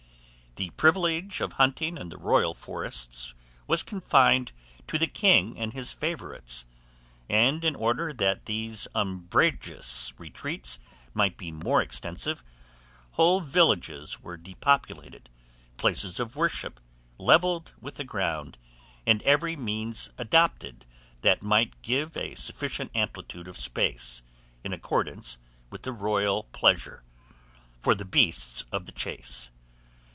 The privilege of hunting in the royal forests was confined to the king and his favourites; and in order that these umbrageous retreats might be made more extensive, whole villages were depopulated, places of worship levelled with the ground, and every means adopted that might give a sufficient amplitude of space, in accordance with the royal pleasure, for the beasts of the chase.